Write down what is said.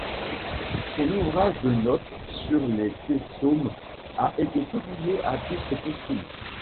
Son ouvrage de notes sur les Psaumes a été publié à titre posthume.